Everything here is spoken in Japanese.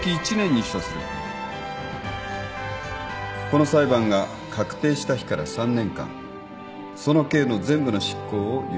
この裁判が確定した日から３年間その刑の全部の執行を猶予する。